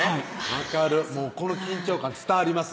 分かるこの緊張感伝わります